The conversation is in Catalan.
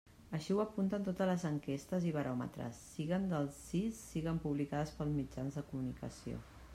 Així ho apunten totes les enquestes i baròmetres, siguen del CIS siguen publicades pels mitjans de comunicació.